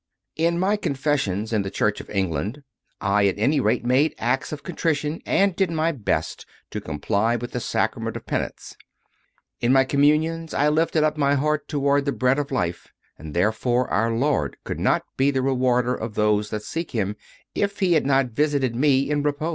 In my Confessions in the Church of England I, at any rate, made acts of contrition and did my best to comply with the Sacrament of Penance; in my Communions I lifted up my heart toward the Bread of Life; and, there fore, Our Lord could not be the Rewarder of those that seek Him if He had not visited me in response.